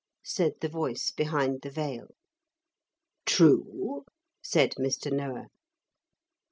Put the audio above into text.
said the voice behind the veil. 'True,' said Mr. Noah.